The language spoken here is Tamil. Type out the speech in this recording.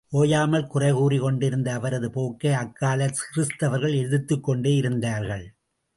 ஓயாமல் குறை கூறி கொண்டிருந்த அவரது போக்கை அக்காலக் கிறித்துவர்கள் எதிர்த்துக் கொண்டே இருந்தார்கள்.